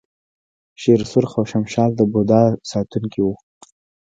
شیر سرخ او شمشال د بودا ساتونکي وو